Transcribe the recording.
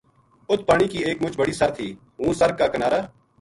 اُت پانی کی ایک مُچ بڑی سر تھی ہوں سر کا کنارا